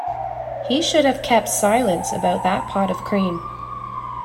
He should have kept silence about that pot of cream.